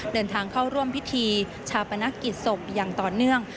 เดินทางเข้าร่วมพิธีชาปนกิจศพอย่างต่อเนื่อง